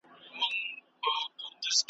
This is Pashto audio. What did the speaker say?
پر دښمن باندي تاختونه `